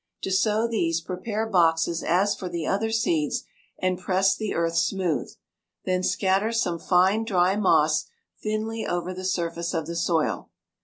To sow these prepare boxes as for the other seeds, and press the earth smooth. Then scatter some fine, dry moss thinly over the surface of the soil.